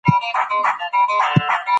که زیربناوي جوړي سي سوداګري به پراخه سي.